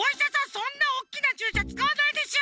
そんなおっきなちゅうしゃつかわないでしょ！